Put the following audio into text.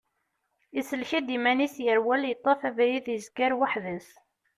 Isellek-d iman-is, yerwel, yeṭṭef abrid, yezger weḥd-s.